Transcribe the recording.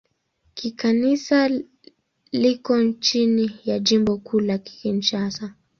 Kikanisa liko chini ya Jimbo Kuu la Kinshasa.